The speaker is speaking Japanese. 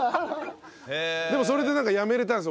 でもそれでやめられたんですよ